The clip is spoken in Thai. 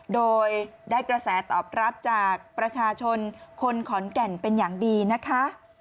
โดยได้กระแสตอบรับจากประชาชนคนขอนแก่นเป็นอย่างดีนะคะ